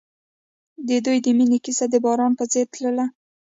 د دوی د مینې کیسه د باران په څېر تلله.